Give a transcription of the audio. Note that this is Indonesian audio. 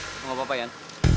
gak apa apa ian